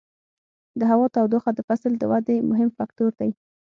د هوا تودوخه د فصل د ودې مهم فکتور دی.